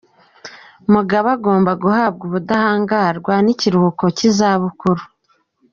Mugabe agomba guhabwa ubudahangarwa n’ikiruhuko cy’izabukuru